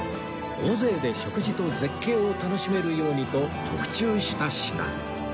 大勢で食事と絶景を楽しめるようにと特注した品